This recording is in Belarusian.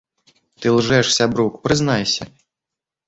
Ты лжэш, сябрук, прызнайся!